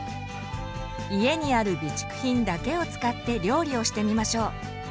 家にある備蓄品だけを使って料理をしてみましょう。